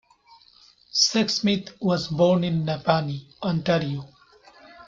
Sexsmith was born in Napanee, Ontario.